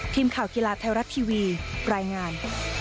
ทีมข่าวกีฬาไทยรัฐทีวีรายงาน